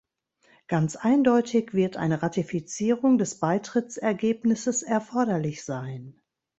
Ganz eindeutig wird eine Ratifizierung des Beitrittsergebnisses erforderlich sein.